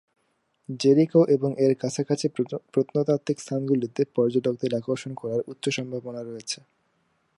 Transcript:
Jericho এবং এর কাছাকাছি প্রত্নতাত্ত্বিক স্থানগুলিতে পর্যটকদের আকর্ষণ করার উচ্চ সম্ভাবনা রয়েছে।